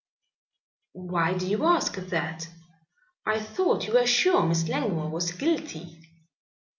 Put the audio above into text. "Why do you ask that? I thought you were sure Miss Langmore was guilty."